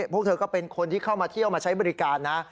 พวกเธอก็เป็นคนที่เข้ามาเที่ยวมาใช้บริการนะ